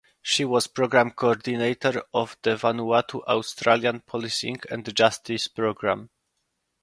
She was program coordinator of the Vanuatu Australian Policing and Justice Program.